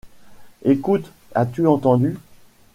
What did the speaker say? Écoute, as-tu entendu?